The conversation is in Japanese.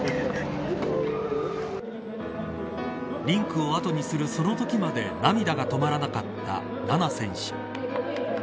リンクを後にするそのときまで涙が止まらなかった菜那選手。